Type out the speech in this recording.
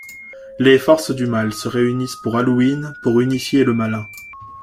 Les forces du mal se réunissent pour Halloween pour unifier le Malin.